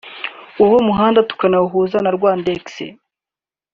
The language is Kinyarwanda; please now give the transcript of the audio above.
uwo muhanda tukanawuhuza na Rwandex